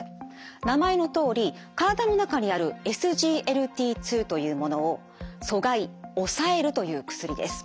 名前のとおり体の中にあるＳＧＬＴ２というものを阻害抑えるという薬です。